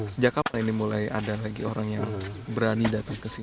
sejak kapan ini mulai ada lagi orang yang berani datang ke sini